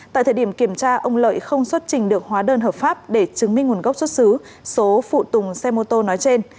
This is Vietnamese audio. tại thời điểm kiểm tra ông lợi không xuất trình được hóa đơn hợp pháp để chứng minh nguồn gốc xuất xứ số phụ tùng xe mô tô nói trên